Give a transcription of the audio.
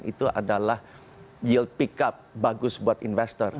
itu adalah yield pick up bagus buat investor